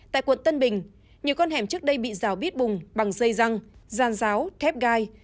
tại quận tân bình nhiều con hẻm trước đây bị rào bít bùng bằng dây răng gian giáo thép gai